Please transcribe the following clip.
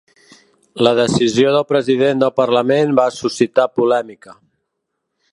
La decisió del president del parlament va suscitar polèmica.